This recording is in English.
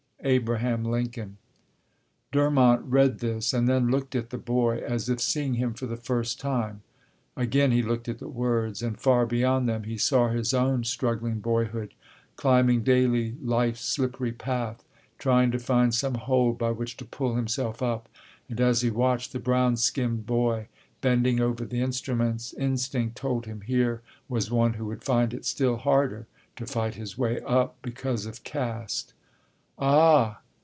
ABRAHAM LINCOLN. Durmont read this, and then looked at the boy as if seeing him for the first time. Again he looked at the words, and far beyond them he saw his own struggling boyhood, climbing daily Life's slippery path, trying to find some hold by which to pull himself up. And as he watched the brown skinned boy bending over the instruments, instinct told him here was one who would find it still harder to fight his way up, because of caste. "Ah!"